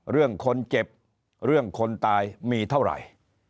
เรื่องคนเจ็บเรื่องคนตายมีเท่าไหร่